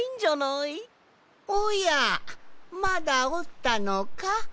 おやまだおったのか？